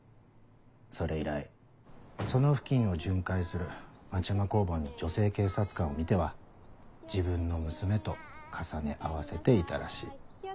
それ以来その付近を巡回する町山交番の女性警察官を見ては自分の娘と重ね合わせていたらしい。